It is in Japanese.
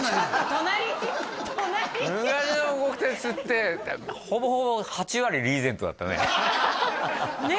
隣隣昔の国鉄ってほぼほぼ８割リーゼントだったねね